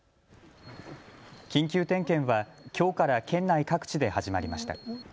緊急点検はきょうから県内各地で始まりました。